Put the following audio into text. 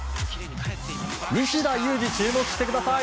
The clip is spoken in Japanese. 西田有志に注目してください。